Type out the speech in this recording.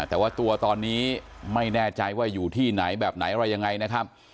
แต่ว่าตัวตอนนี้ไม่แน่ใจว่าอยู่ที่ไหนแบบไหนอะไรยังไงนะครับ